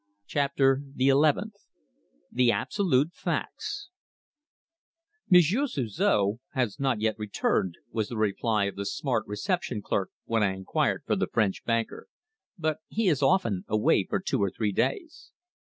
CHAPTER THE ELEVENTH THE ABSOLUTE FACTS "Monsieur Suzor has not yet returned," was the reply of the smart reception clerk when I inquired for the French banker. "But he is often away for two or three days."